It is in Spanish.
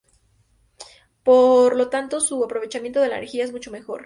Por lo tanto, su aprovechamiento de la energía es mucho mejor.